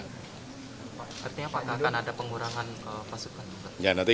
artinya apakah akan ada pengurangan pasukan